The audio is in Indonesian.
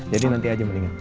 jadi nanti aja mendingan